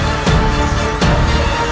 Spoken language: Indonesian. ketika kanda menang kanda menang